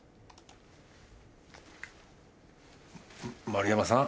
丸山さん